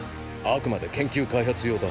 あくまで研究開発用だ。